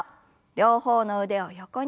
両方の腕を横に。